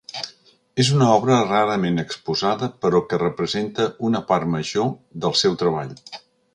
És una obra rarament exposada, però que representa una part major del seu treball.